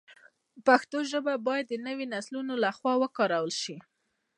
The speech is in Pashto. پښتو ژبه باید د نویو نسلونو له خوا وکارول شي.